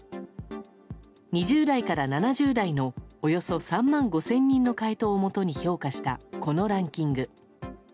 ２０代から７０代のおよそ３万５０００人の回答をもとに評価した、このランキング。